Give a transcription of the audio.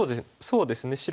そうですね。